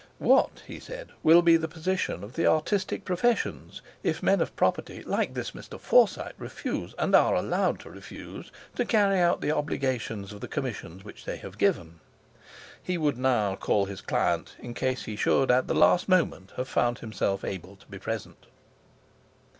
"What," he said, "will be the position of the artistic professions, if men of property like this Mr. Forsyte refuse, and are allowed to refuse, to carry out the obligations of the commissions which they have given." He would now call his client, in case he should at the last moment have found himself able to be present.